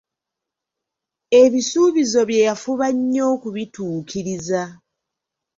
Ebisuubizo bye yafuba nnyo okubituukiriza.